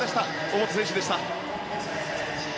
大本選手でした。